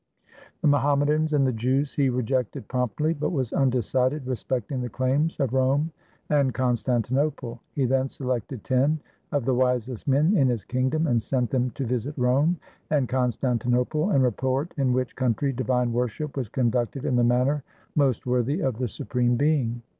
The Mohammedans and the Jews he rejected promptly; but was undecided respecting the claims of Rome and Constantinople. He then selected ten of the wisest men in his kingdom and sent them to visit Rome and Constantinople and report in which country divine worship was conducted in the manner most worthy of the Supreme Being.